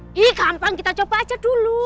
ini gampang kita coba aja dulu